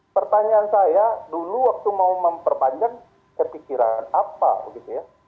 pertanyaan saya dulu waktu mau memperpanjang kepikiran apa begitu ya